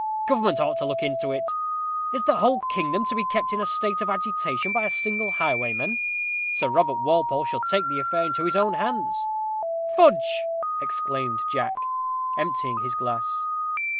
"Government ought to look to it. Is the whole kingdom to be kept in a state of agitation by a single highwayman? Sir Robert Walpole should take the affair into his own hands." "Fudge!" exclaimed Jack, emptying his glass.